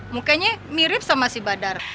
mukanya mirip sama si badar